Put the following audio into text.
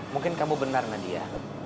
mungkin kamu benar nadia